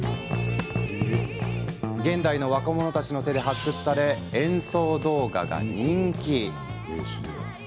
現代の若者たちの手で発掘され演奏動画が人気。